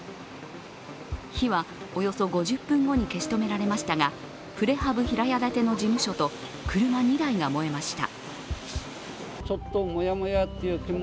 火はおよそ５０分後に消し止められましたが、プレハブ平屋建ての事務所と車２台が燃えました。